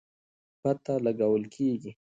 پته لګول کېږي.